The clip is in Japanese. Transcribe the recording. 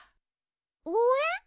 応援？